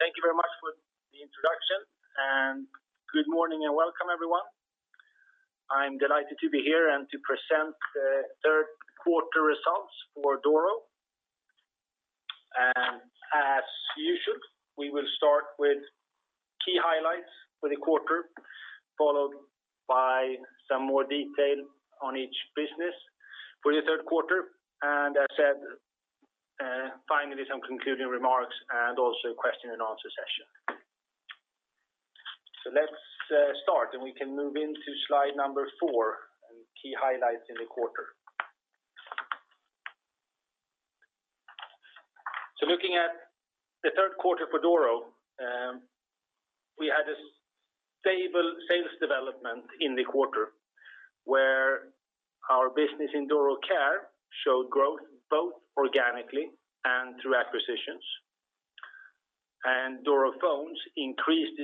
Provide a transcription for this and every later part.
Thank you very much for the introduction, good morning and welcome everyone. I'm delighted to be here and to present the 3rd quarter results for Doro. As usual, we will start with key highlights for the quarter, followed by some more detail on each business for the 3rd quarter. As said, finally some concluding remarks and also a question and answer session. Let's start, we can move into slide number four, key highlights in the quarter. Looking at the 3rd quarter for Doro, we had a stable sales development in the quarter, where our business in Doro Care showed growth both organically and through acquisitions. Doro Phones increased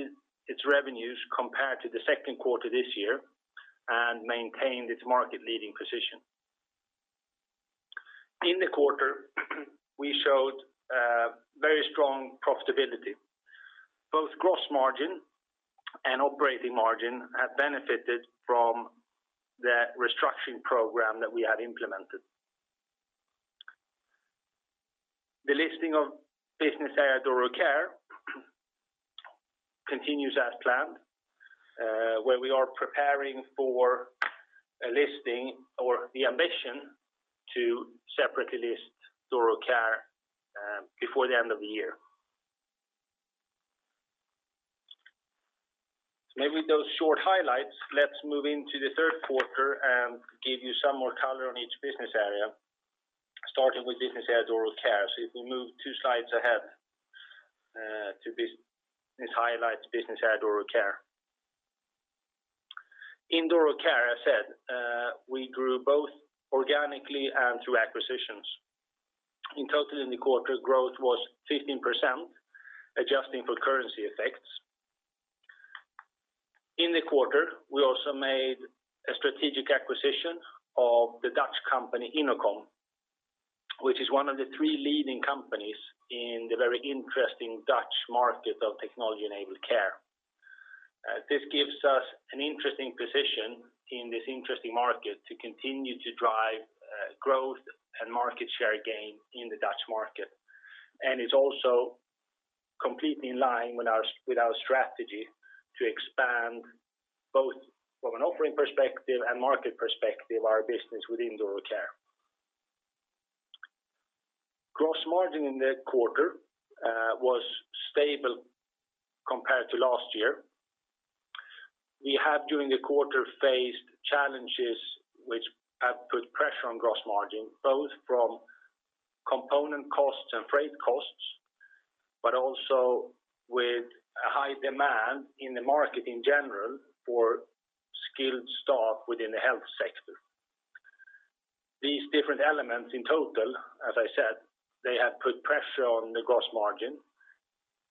its revenues compared to the 2nd quarter this year and maintained its market-leading position. In the quarter, we showed very strong profitability. Both gross margin and operating margin have benefited from the restructuring program that we have implemented. The listing of Business Area Doro Care continues as planned, where we are preparing for a listing or the ambition to separately list Doro Care before the end of the year. Maybe with those short highlights, let's move into the third quarter and give you some more color on each business area, starting with Business Area Doro Care. If we move two slides ahead to business highlights, Business Area Doro Care. In Doro Care, as said, we grew both organically and through acquisitions. In total in the quarter, growth was 15%, adjusting for currency effects. In the quarter, we also made a strategic acquisition of the Dutch company, Innocom, which is one of the three leading companies in the very interesting Dutch market of technology-enabled care. This gives us an interesting position in this interesting market to continue to drive growth and market share gain in the Dutch market. It's also completely in line with our strategy to expand both from an offering perspective and market perspective our business within Doro Care. Gross margin in the quarter was stable compared to last year. We have, during the quarter, faced challenges which have put pressure on gross margin, both from component costs and freight costs, but also with a high demand in the market in general for skilled staff within the health sector. These different elements in total, as I said, they have put pressure on the gross margin,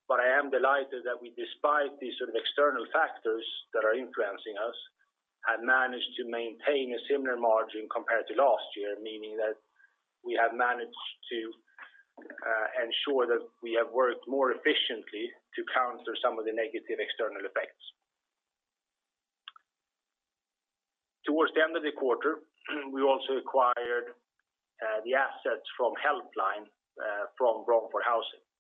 but I am delighted that we, despite these sort of external factors that are influencing us, have managed to maintain a similar margin compared to last year, meaning that we have managed to ensure that we have worked more efficiently to counter some of the negative external effects. Towards the end of the quarter, we also acquired the assets from Helpline from Bromford Housing Association.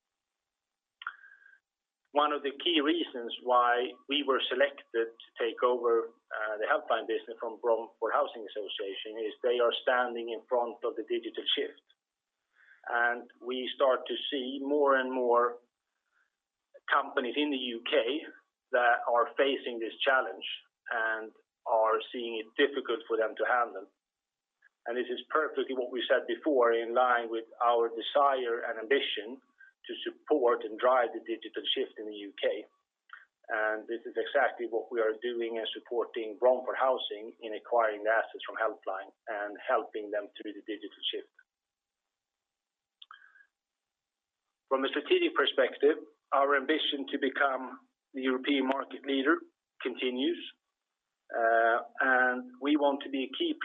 One of the key reasons why we were selected to take over the Helpline business from Bromford Housing Association is they are standing in front of the digital shift. We start to see more and more companies in the U.K. that are facing this challenge and are seeing it difficult for them to handle. This is perfectly what we said before, in line with our desire and ambition to support and drive the digital shift in the U.K. This is exactly what we are doing in supporting Bromford Housing in acquiring the assets from Helpline and helping them through the digital shift. From a strategic perspective, our ambition to become the European market leader continues. We want to be a key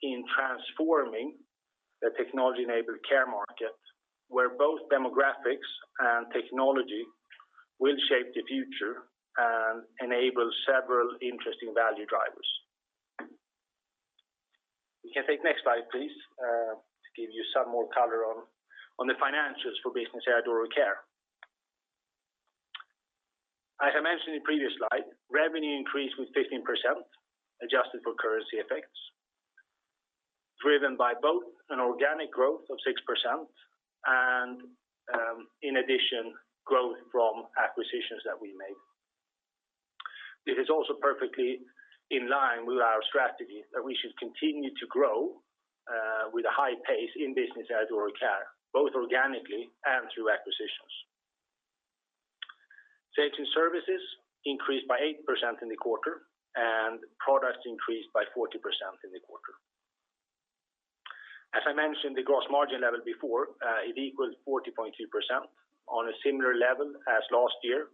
player in transforming the technology-enabled care market, where both demographics and technology will shape the future and enable several interesting value drivers. We can take next slide, please, to give you some more color on the financials for Business Area Doro Care. As I mentioned in previous slide, revenue increased with 15%, adjusted for currency effects, driven by both an organic growth of 6% and, in addition, growth from acquisitions that we made. This is also perfectly in line with our strategy that we should continue to grow with a high pace in Business Area Doro Care, both organically and through acquisitions. Safety and services increased by 8% in the quarter, and products increased by 40% in the quarter. As I mentioned, the gross margin level before, it equals 40.2% on a similar level as last year.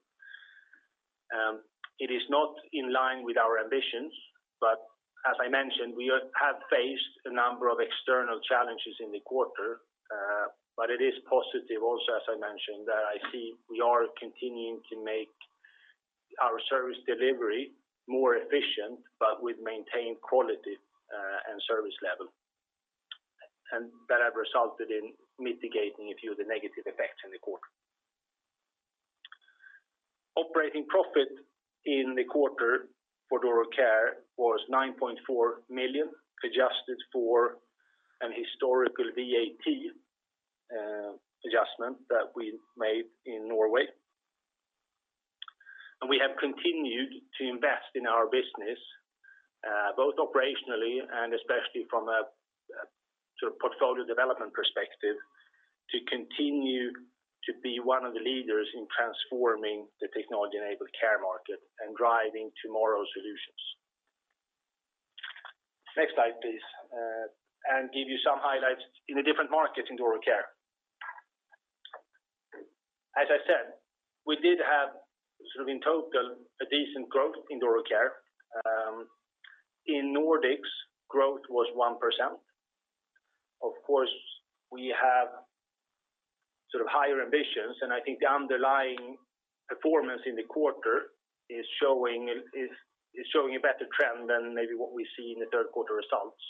It is not in line with our ambitions, but as I mentioned, we have faced a number of external challenges in the quarter. It is positive also, as I mentioned, that I see we are continuing to make our service delivery more efficient, but with maintained quality and service level. That has resulted in mitigating a few of the negative effects in the quarter. Operating profit in the quarter for Doro Care was 9.4 million, adjusted for an historical Value Added Tax adjustment that we made in Norway. We have continued to invest in our business, both operationally and especially from a portfolio development perspective, to continue to be one of the leaders in transforming the technology-enabled care market and driving tomorrow's solutions. Next slide, please. Give you some highlights in the different markets in Doro Care. As I said, we did have in total a decent growth in Doro Care. In Nordics, growth was 1%. Of course, we have higher ambitions, and I think the underlying performance in the quarter is showing a better trend than maybe what we see in the third quarter results.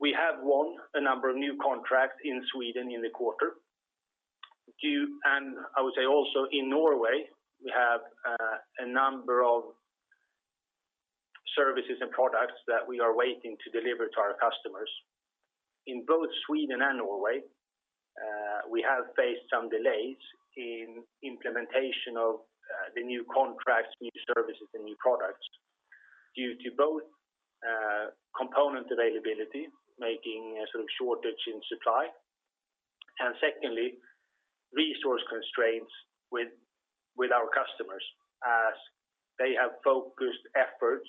We have won a number of new contracts in Sweden in the quarter. I would say also in Norway, we have a number of services and products that we are waiting to deliver to our customers. In both Sweden and Norway, we have faced some delays in implementation of the new contracts, new services, and new products due to both component availability, making a shortage in supply, and secondly, resource constraints with our customers as they have focused efforts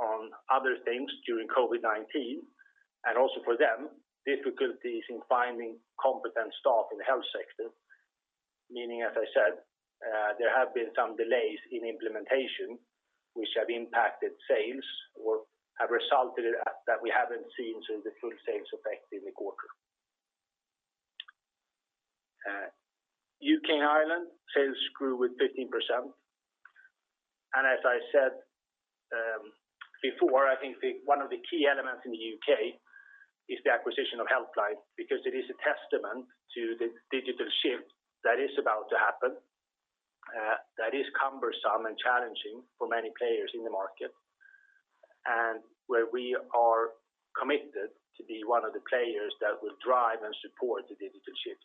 on other things during COVID-19, and also for them, difficulties in finding competent staff in the health sector. Meaning, as I said, there have been some delays in implementation, which have impacted sales or have resulted that we haven't seen the full sales effect in the quarter. U.K. and Ireland sales grew with 15%. As I said before, I think one of the key elements in the U.K. is the acquisition of Helpline, because it is a testament to the digital shift that is about to happen that is cumbersome and challenging for many players in the market, and where we are committed to be one of the players that will drive and support the digital shift.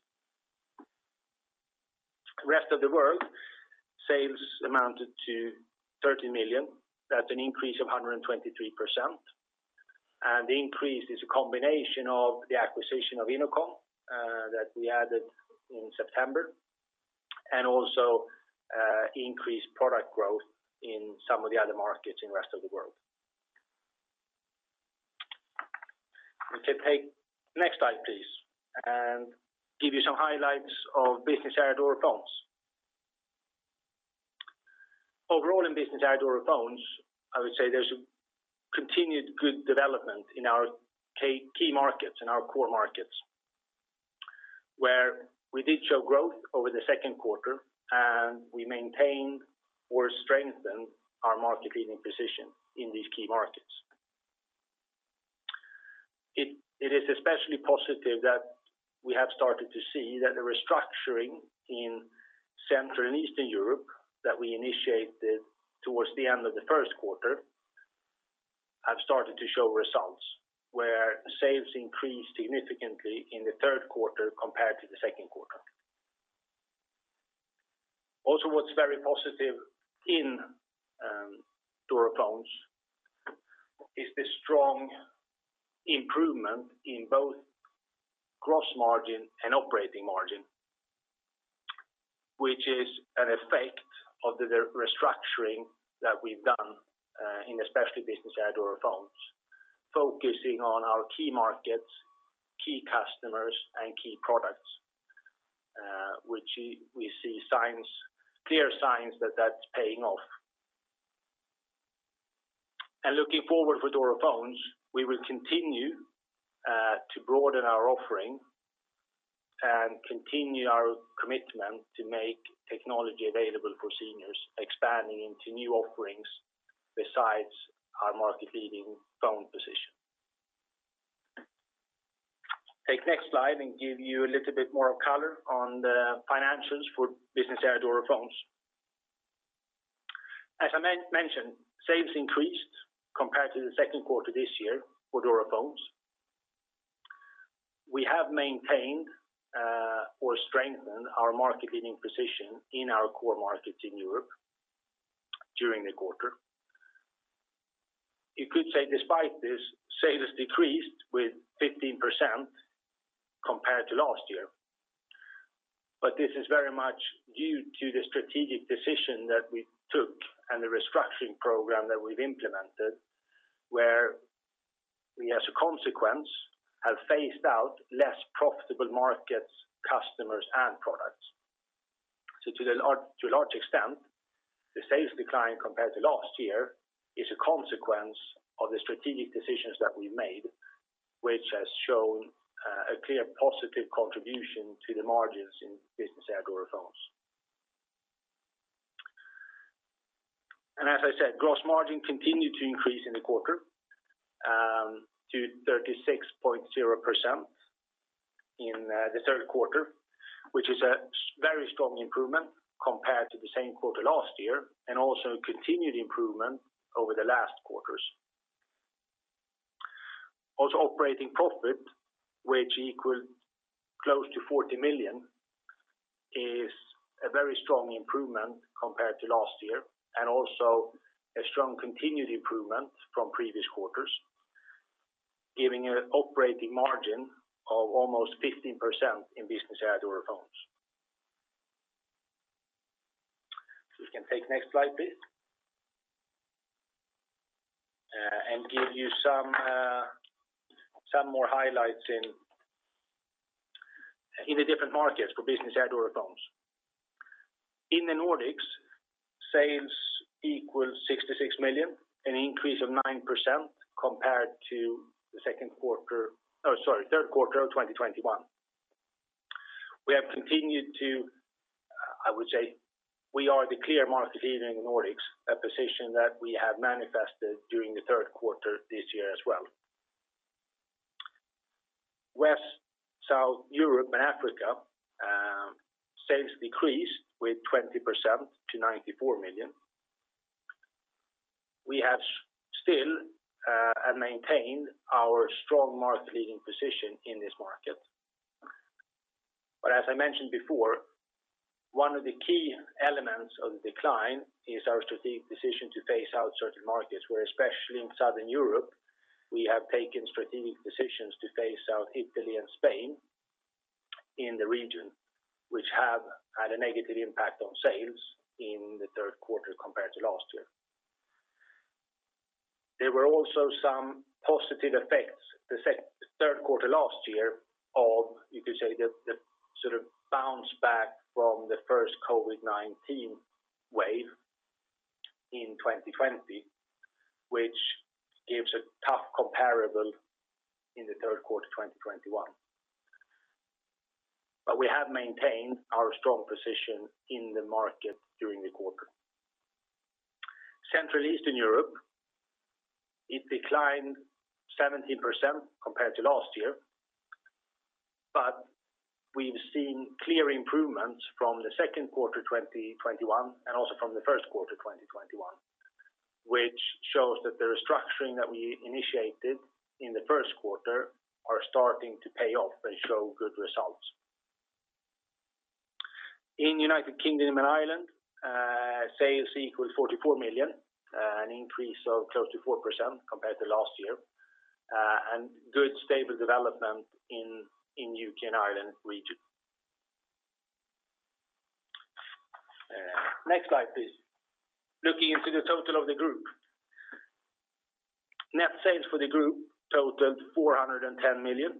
Rest of the world sales amounted to 30 million. That's an increase of 123%. The increase is a combination of the acquisition of Innocom that we added in September, and also increased product growth in some of the other markets in rest of the world. We can take next slide, please, and give you some highlights of Business Area Doro Phones. Overall in Business Area Doro Phones, I would say there's a continued good development in our key markets, in our core markets, where we did show growth over the second quarter, and we maintained or strengthened our market-leading position in these key markets. It is especially positive that we have started to see that the restructuring in Central and Eastern Europe that we initiated towards the end of the first quarter have started to show results, where sales increased significantly in the third quarter compared to the second quarter. Also, what's very positive in Doro Phones is the strong improvement in both gross margin and operating margin, which is an effect of the restructuring that we've done in especially Business Area Doro Phones, focusing on our key markets, key customers, and key products which we see clear signs that that's paying off. Looking forward for Doro Phones, we will continue to broaden our offering and continue our commitment to make technology available for seniors, expanding into new offerings besides our market-leading phone position. Take next slide and give you a little bit more color on the financials for Business Area Doro Phones. As I mentioned, sales increased compared to the second quarter this year for Doro Phones. We have maintained or strengthened our market-leading position in our core markets in Europe during the quarter. You could say despite this, sales decreased with 15% compared to last year. This is very much due to the strategic decision that we took and the restructuring program that we've implemented, where we as a consequence, have phased out less profitable markets, customers, and products. To a large extent, the sales decline compared to last year is a consequence of the strategic decisions that we've made, which has shown a clear positive contribution to the margins in Business Area Doro Phones. As I said, gross margin continued to increase in the quarter to 36.0% in the third quarter, which is a very strong improvement compared to the same quarter last year, and also continued improvement over the last quarters. Also operating profit, which equal close to 40 million, is a very strong improvement compared to last year, and also a strong continued improvement from previous quarters, giving an operating margin of almost 15% in Business Area Doro Phones. We can take next slide, please. Give you some more highlights in the different markets for Business Area Doro Phones. In the Nordics, sales equals 66 million, an increase of 9% compared to the third quarter of 2021. We have continued to, we are the clear market leader in the Nordics, a position that we have manifested during the third quarter this year as well. West, South Europe and Africa, sales decreased with 20% to 94 million. We have still maintained our strong market leading position in this market. As I mentioned before, one of the key elements of the decline is our strategic decision to phase out certain markets, where especially in Southern Europe, we have taken strategic decisions to phase out Italy and Spain in the region, which have had a negative impact on sales in the third quarter compared to last year. There were also some positive effects the 3rd quarter last year of, you could say, the sort of bounce back from the 1st COVID-19 wave in 2020, which gives a tough comparable in the 3rd quarter 2021. We have maintained our strong position in the market during the quarter. Central Eastern Europe, it declined 17% compared to last year, We've seen clear improvements from the 2nd quarter 2021 and also from the 1st quarter 2021, which shows that the restructuring that we initiated in the 1st quarter are starting to pay off and show good results. In U.K. and Ireland, sales equals 44 million, an increase of close to 4% compared to last year, Good stable development in U.K. and Ireland region. Next slide, please. Looking into the total of the group. Net sales for the group totaled 410 million,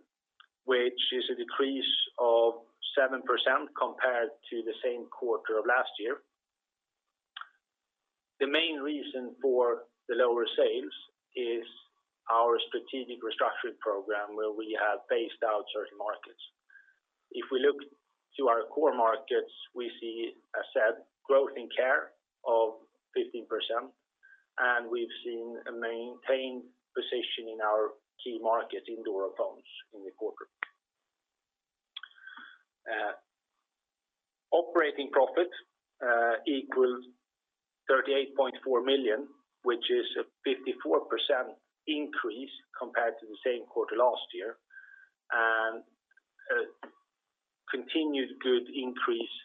which is a decrease of 7% compared to the same quarter of last year. The main reason for the lower sales is our strategic restructuring program where we have phased out certain markets. If we look to our core markets, we see a growth in Care of 15%, and we've seen a maintained position in our key market in Doro Phones in the quarter. Operating profit equals 38.4 million, which is a 54% increase compared to the same quarter last year, and a continued good increase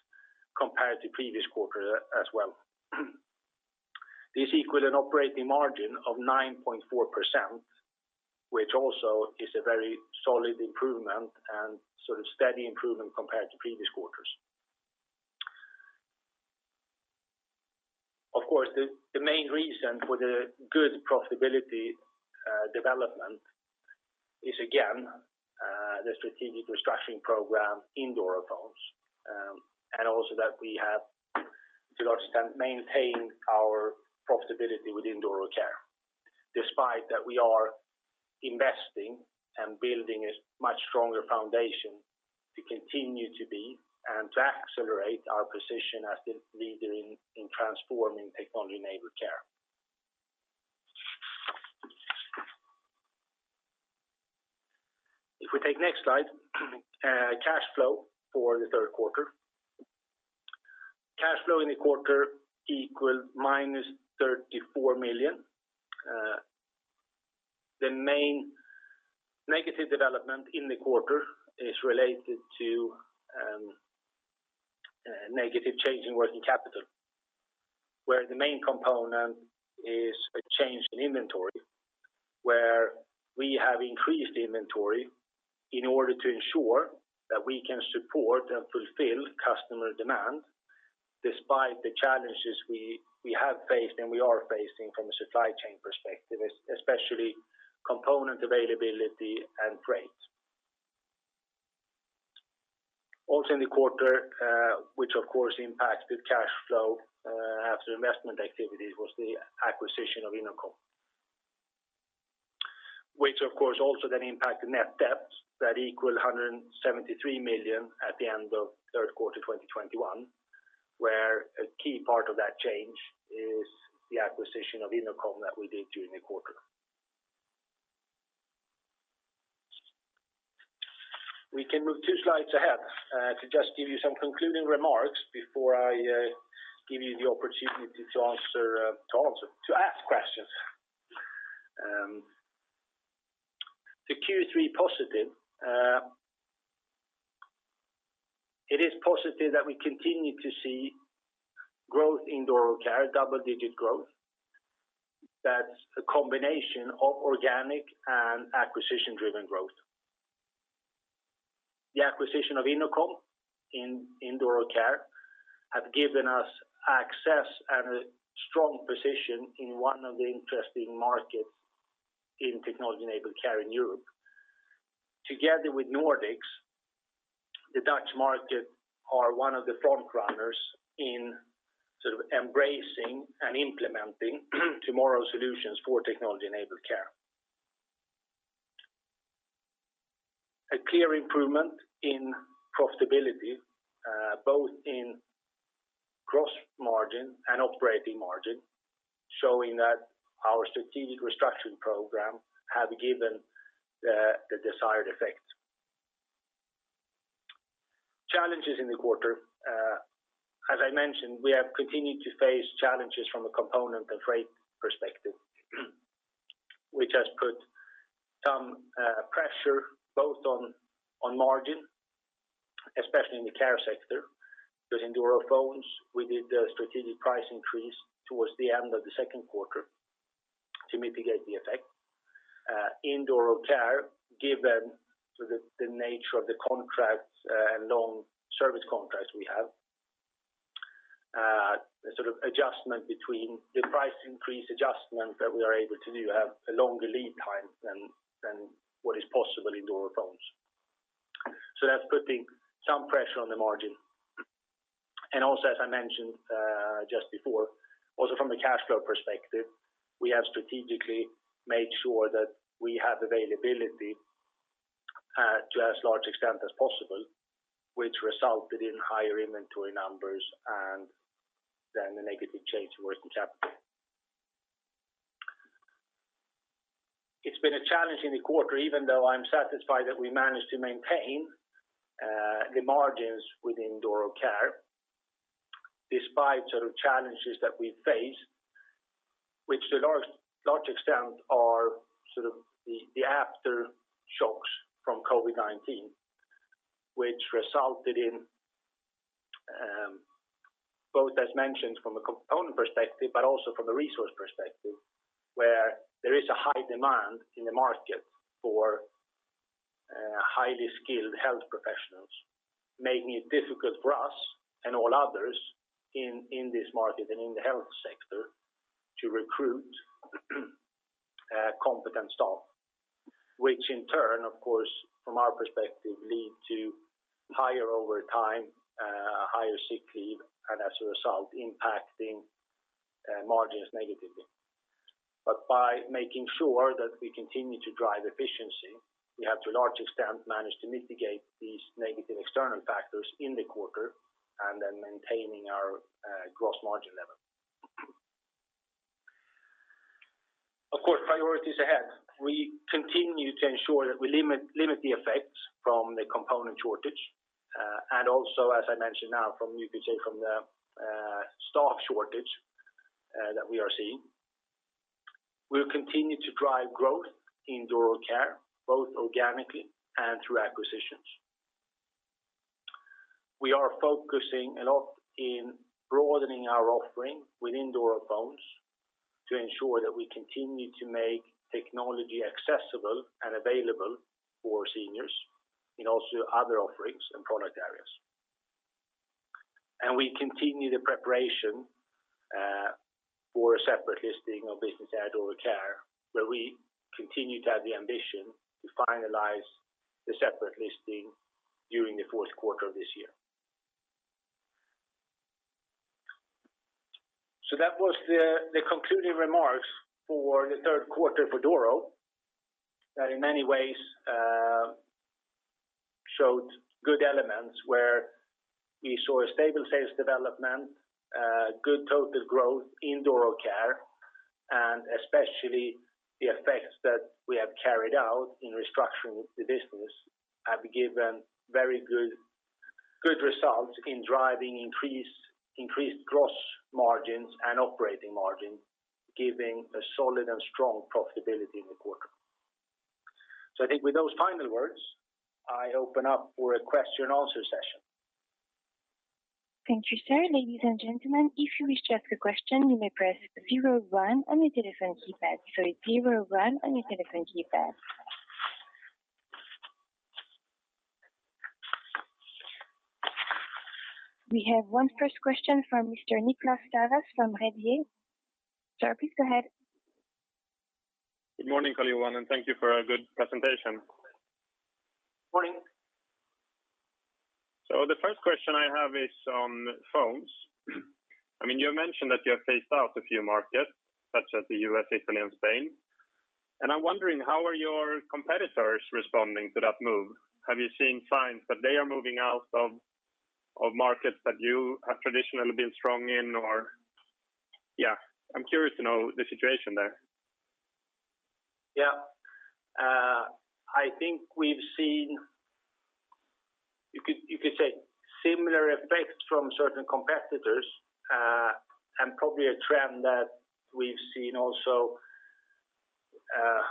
compared to previous quarter as well. This equal an operating margin of 9.4%, which also is a very solid improvement and sort of steady improvement compared to previous quarters. Of course, the main reason for the good profitability development is again the strategic restructuring program in Doro Phones, and also that we have to a large extent maintained our profitability within Doro Care. Despite that we are investing and building a much stronger foundation to continue to be and to accelerate our position as the leader in transforming technology-enabled care. If we take next slide, cash flow for the third quarter. Cash flow in the quarter equal -34 million. The main negative development in the quarter is related to negative change in working capital, where the main component is a change in inventory, where we have increased inventory in order to ensure that we can support and fulfill customer demand. Despite the challenges we have faced and we are facing from a supply chain perspective, especially component availability and freight. Also in the quarter, which of course impacted cash flow after investment activities, was the acquisition of Innocom. Which, of course, also then impacted net debt that equaled 173 million at the end of third quarter 2021, where a key part of that change is the acquisition of Innocom that we did during the quarter. We can move two slides ahead to just give you some concluding remarks before I give you the opportunity to ask questions. The Q3 positive. It is positive that we continue to see growth in Doro Care, double-digit growth. That's a combination of organic and acquisition-driven growth. The acquisition of Innocom in Doro Care have given us access and a strong position in one of the interesting markets in technology-enabled care in Europe. Together with Nordics, the Dutch market are one of the front runners in embracing and implementing tomorrow's solutions for technology-enabled care. A clear improvement in profitability, both in gross margin and operating margin, showing that our strategic restructuring program have given the desired effect. Challenges in the quarter. As I mentioned, we have continued to face challenges from a component and freight perspective, which has put some pressure both on margin, especially in the care sector, because in Doro Phones, we did the strategic price increase towards the end of the second quarter to mitigate the effect. In Doro Care, given the nature of the contracts and long service contracts we have, the sort of adjustment between the price increase adjustment that we are able to do have a longer lead time than what is possible in Doro Phones. That's putting some pressure on the margin. Also, as I mentioned just before, also from a cash flow perspective, we have strategically made sure that we have availability to as large extent as possible, which resulted in higher inventory numbers and then the negative change towards working capital. It's been a challenge in the quarter, even though I'm satisfied that we managed to maintain the margins within Doro Care, despite challenges that we face, which to a large extent are the aftershocks from COVID-19, which resulted in both, as mentioned, from a component perspective, but also from a resource perspective, where there is a high demand in the market for highly skilled health professionals, making it difficult for us and all others in this market and in the health sector to recruit competent staff. In turn, of course, from our perspective, lead to higher overtime, higher sick leave, and as a result, impacting margins negatively. By making sure that we continue to drive efficiency, we have to a large extent managed to mitigate these negative external factors in the quarter and then maintaining our gross margin level. Of course, priorities ahead. We continue to ensure that we limit the effects from the component shortage, and also, as I mentioned now, from staff shortage that we are seeing. We will continue to drive growth in Doro Care, both organically and through acquisitions. We are focusing a lot in broadening our offering within Doro Phones to ensure that we continue to make technology accessible and available for seniors in also other offerings and product areas. We continue the preparation for a separate listing of business at Doro Care, where we continue to have the ambition to finalize the separate listing during the fourth quarter of this year. That was the concluding remarks for the third quarter for Doro, that in many ways showed good elements where we saw a stable sales development, good total growth in Doro Care, and especially the effects that we have carried out in restructuring the business have given very good results in driving increased gross margins and operating margin, giving a solid and strong profitability in the quarter. I think with those final words, I open up for a question and answer session. Thank you, sir. Ladies and gentlemen, if you wish to ask a question, you may press zero one on your telephone keypad. It's zero one on your telephone keypad. We have one first question from Mr. Niklas Sävås from Redeye. Sir, please go ahead. Good morning, Carl-Johan, and thank you for a good presentation. Morning. The first question I have is on phones. You mentioned that you have phased out a few markets, such as the U.S., Italy, and Spain, and I'm wondering, how are your competitors responding to that move? Have you seen signs that they are moving out of markets that you have traditionally been strong in? Yeah. I'm curious to know the situation there. Yeah. I think we've seen, you could say similar effects from certain competitors, and probably a trend that we've seen also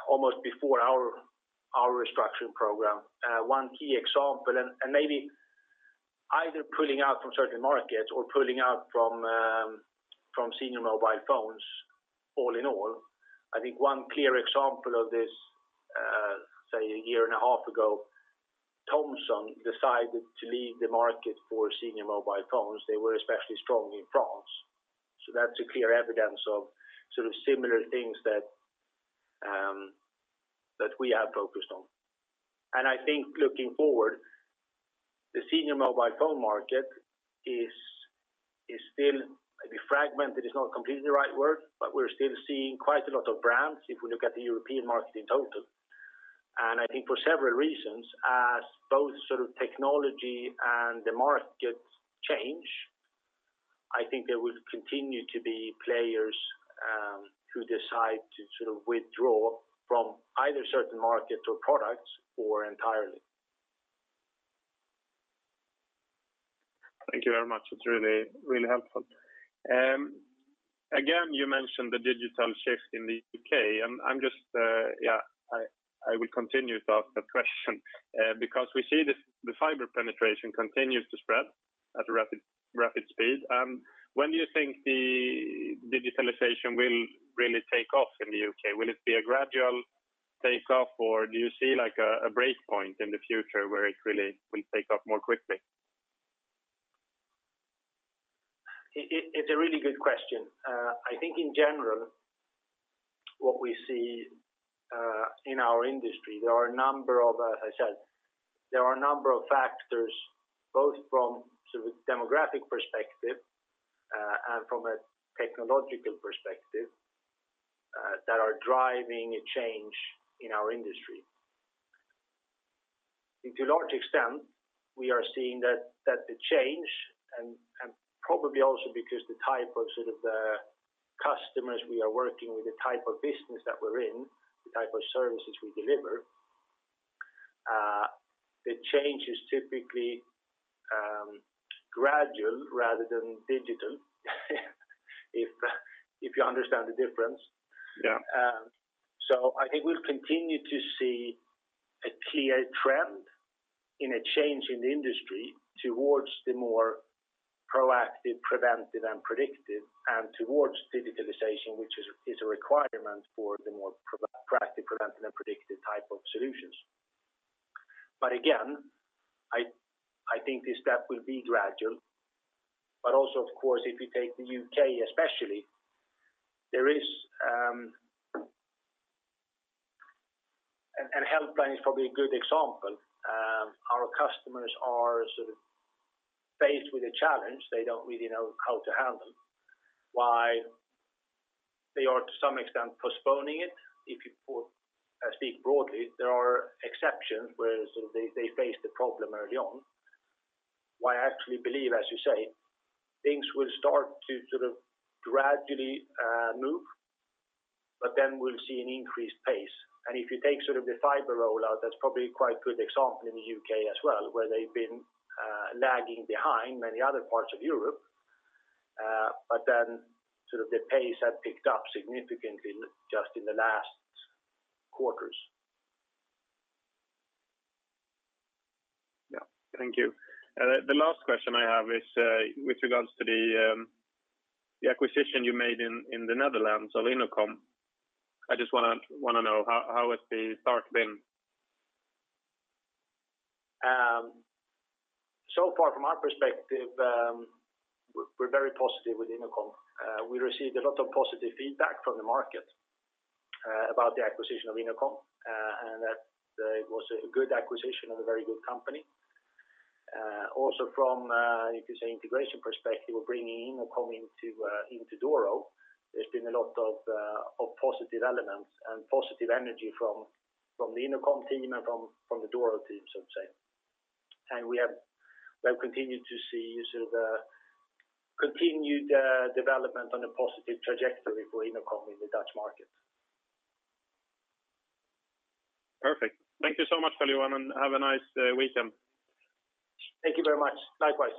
almost before our restructuring program. One key example, and maybe either pulling out from certain markets or pulling out from senior mobile phones all in all. I think one clear example of this, say a year and a half ago, Thomson decided to leave the market for senior mobile phones. They were especially strong in France. That's a clear evidence of similar things that we are focused on. I think looking forward, the senior mobile phone market is still, maybe fragmented is not completely the right word, but we're still seeing quite a lot of brands if we look at the European market in total. I think for several reasons, as both technology and the markets change, I think there will continue to be players who decide to withdraw from either certain markets or products or entirely. Thank you very much. It's really helpful. Again, you mentioned the digital shift in the U.K. I will continue to ask that question because we see the fiber penetration continues to spread at a rapid speed. When do you think the digitalization will really take off in the U.K.? Will it be a gradual takeoff, or do you see a breakpoint in the future where it really will take off more quickly? It's a really good question. I think in general, what we see in our industry, there are a number of factors, both from demographic perspective and from a technological perspective, that are driving a change in our industry. To a large extent, we are seeing that the change, and probably also because the type of customers we are working with, the type of business that we're in, the type of services we deliver, the change is typically gradual rather than digital if you understand the difference. Yeah. I think we'll continue to see a clear trend in a change in the industry towards the more proactive, preventive, and predictive, and towards digitalization, which is a requirement for the more proactive, preventive, and predictive type of solutions. Again, I think this step will be gradual. Also, of course, if you take the U.K. especially, there is a Helpline is probably a good example. Our customers are faced with a challenge they don't really know how to handle. Why they are, to some extent, postponing it. If you speak broadly, there are exceptions where they face the problem early on. Why I actually believe, as you say, things will start to gradually move, but then we'll see an increased pace. If you take the fiber rollout, that's probably quite a good example in the U.K. as well, where they've been lagging behind many other parts of Europe. The pace has picked up significantly just in the last quarters. Yeah. Thank you. The last question I have is with regards to the acquisition you made in the Netherlands of Innocom. I just want to know how has the start been? So far, from our perspective, we're very positive with Innocom. We received a lot of positive feedback from the market about the acquisition of Innocom, and that it was a good acquisition of a very good company. Also from, you could say, integration perspective of bringing Innocom into Doro, there's been a lot of positive elements and positive energy from the Innocom team and from the Doro team, so to say. We have continued to see continued development on a positive trajectory for Innocom in the Dutch market. Perfect. Thank you so much, Carl-Johan, and have a nice weekend. Thank you very much. Likewise.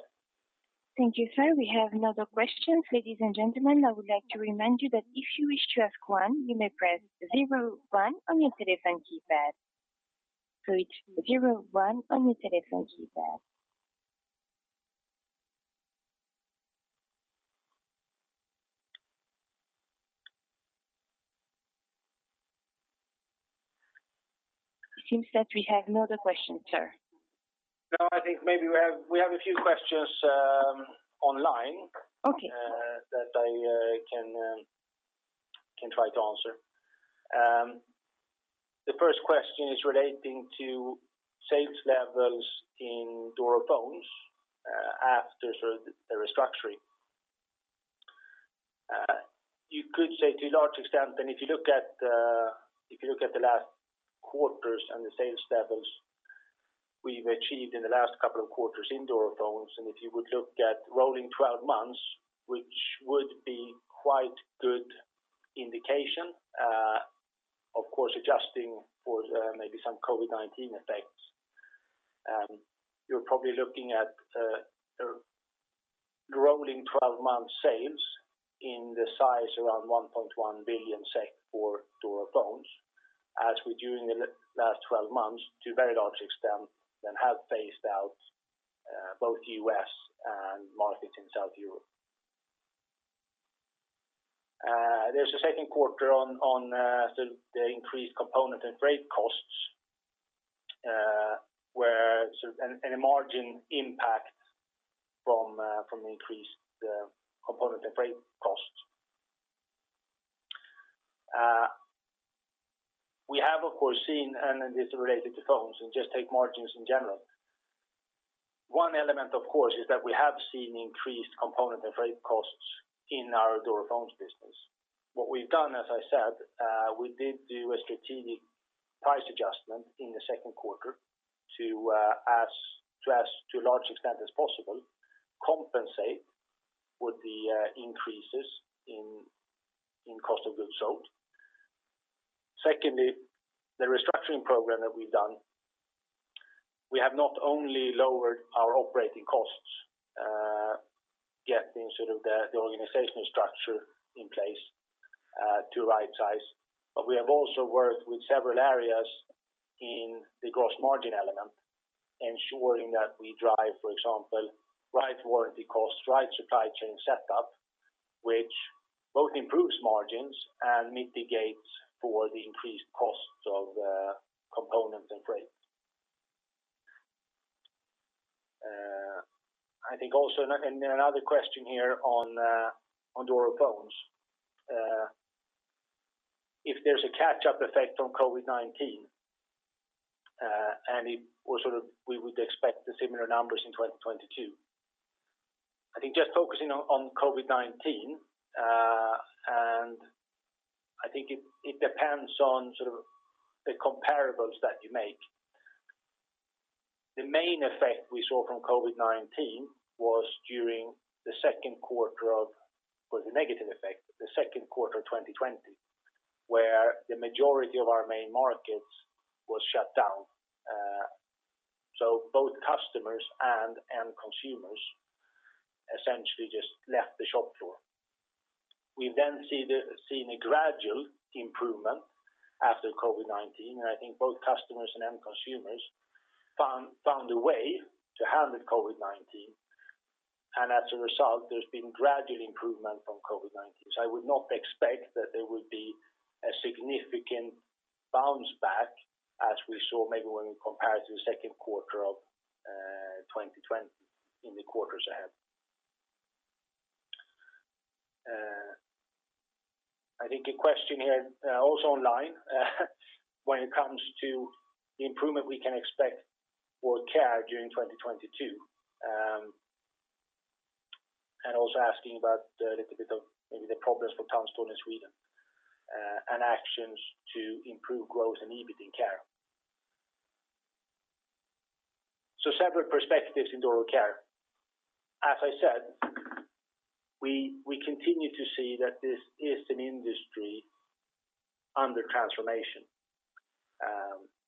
Thank you, sir. We have another question. Ladies and gentlemen I would like to remind you to ask question, you may press zero one on your telephone keypad. Press zero one on your telephone keypad. It seems that we have no other questions, sir. No, I think maybe we have a few questions online. Okay. That I can try to answer. The first question is relating to sales levels in Doro Phones after the restructuring. You could say to a large extent, if you look at the last quarters and the sales levels we've achieved in the last couple of quarters in Doro Phones, if you would look at rolling 12 months, which would be quite good indication, of course, adjusting for maybe some COVID-19 effects. You're probably looking at rolling 12 months sales in the size around 1.1 billion SEK for Doro Phones, as we do in the last 12 months to a very large extent, then have phased out both U.S. and markets in South Europe. There's a second quarter on the increased component and freight costs, and a margin impact from the increased component and freight costs. We have, of course, seen, and this is related to phones and just take margins in general. One element, of course, is that we have seen increased component and freight costs in our Doro Phones business. What we've done, as I said, we did do a strategic price adjustment in the second quarter to as to a large extent as possible compensate for the increases in cost of goods sold. Secondly, the restructuring program that we've done, we have not only lowered our operating costs, getting the organizational structure in place to right size, but we have also worked with several areas in the gross margin element, ensuring that we drive, for example, right warranty cost, right supply chain setup, which both improves margins and mitigates for the increased costs of components and freight. I think also another question here on Doro Phones. If there's a catch-up effect on COVID-19, we would expect the similar numbers in 2022. I think just focusing on COVID-19, I think it depends on the comparables that you make. The main effect we saw from COVID-19 was a negative effect during the second quarter 2020, where the majority of our main markets was shut down. Both customers and end consumers essentially just left the shop floor. We've then seen a gradual improvement after COVID-19, I think both customers and end consumers found a way to handle COVID-19. As a result, there's been gradual improvement from COVID-19. I would not expect that there would be a significant bounce back as we saw maybe when we compare it to the second quarter of 2020 in the quarters ahead. I think a question here also online when it comes to the improvement we can expect for Doro Care during 2022. Also asking about a little bit of maybe the progress for Tombstone in Sweden, and actions to improve growth and EBIT in Doro Care. Several perspectives in Doro Care. As I said, we continue to see that this is an industry under transformation.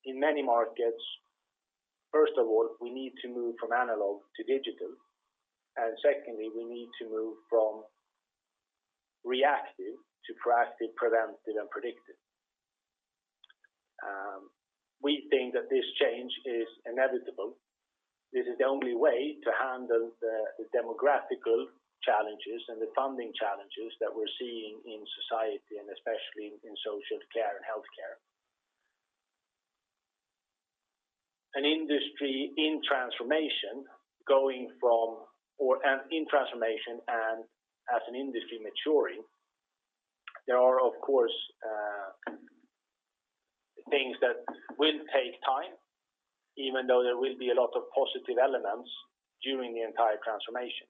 In many markets, first of all, we need to move from analog to digital, and secondly, we need to move from reactive to proactive, preventative, and predictive. We think that this change is inevitable. This is the only way to handle the demographical challenges and the funding challenges that we're seeing in society, and especially in social care and healthcare. An industry in transformation going from or, and in transformation and as an industry maturing, there are, of course things that will take time, even though there will be a lot of positive elements during the entire transformation.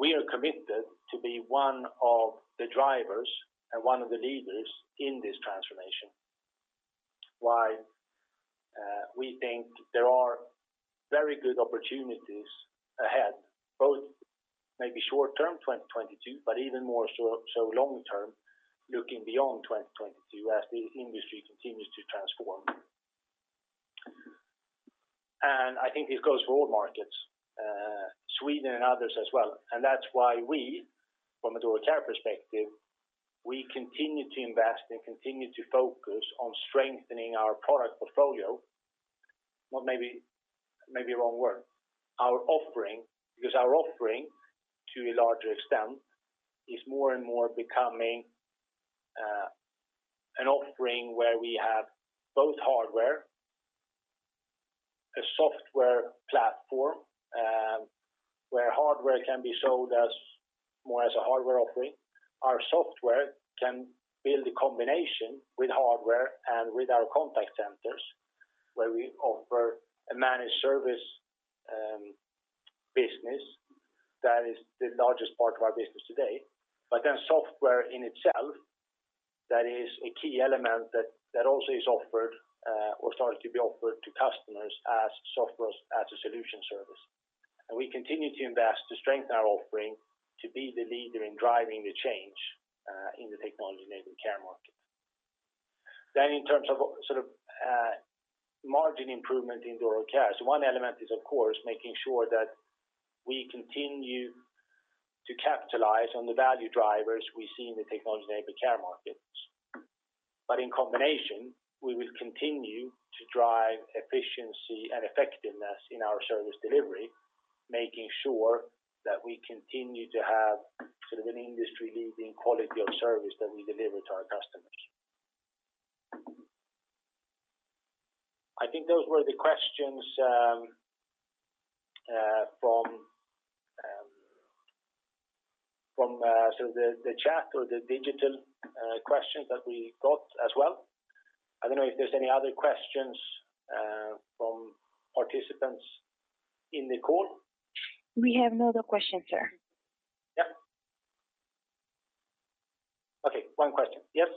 We are committed to be one of the drivers and one of the leaders in this transformation. Why? We think there are very good opportunities ahead, both maybe short term 2022, but even more so long term, looking beyond 2022 as the industry continues to transform. I think this goes for all markets, Sweden and others as well. That's why we, from a Doro Care perspective, we continue to invest and continue to focus on strengthening our product portfolio. Well, maybe a wrong word. Our offering, because our offering, to a larger extent, is more and more becoming an offering where we have both hardware, a software platform, where hardware can be sold more as a hardware offering. Our software can build a combination with hardware and with our contact centers, where we offer a managed service business that is the largest part of our business today. Software in itself, that is a key element that also is offered or started to be offered to customers as software as a service. We continue to invest to strengthen our offering to be the leader in driving the change in the technology-enabled care market. In terms of margin improvement in Doro Care, one element is, of course, making sure that we continue to capitalize on the value drivers we see in the technology-enabled care markets. In combination, we will continue to drive efficiency and effectiveness in our service delivery, making sure that we continue to have an industry-leading quality of service that we deliver to our customers. I think those were the questions from the chat or the digital questions that we got as well. I don't know if there's any other questions from participants in the call. We have no other questions, sir. Yep. Okay, one question. Yes?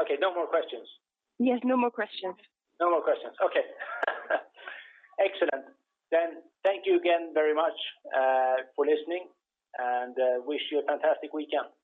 Okay, no more questions. Yes, no more questions. No more questions. Okay. Excellent. Thank you again very much for listening, and wish you a fantastic weekend.